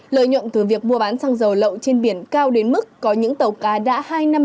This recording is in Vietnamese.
lợi nhuận từ việc mua bán xăng dầu lậu trên biển cao đến mức có những tàu cá đã hai năm